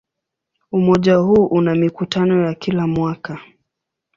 Umoja huu una mikutano ya kila mwaka.